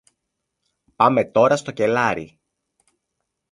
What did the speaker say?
Πάμε τώρα στο κελάρι.